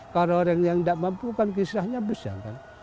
kalau orang yang tidak mampu kan kisahnya besar kan